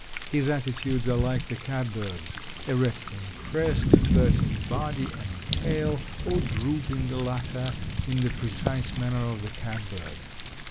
His attitudes are like the catbird's erecting crest, flirting body and tail, or drooping the latter in the precise manner of the catbird.